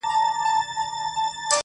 کليوال کله کله د پېښې په اړه چوپ سي،